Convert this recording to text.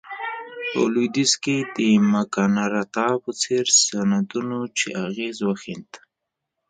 په لوېدیځ کې د مګناکارتا په څېر سندونو خپل اغېز وښند.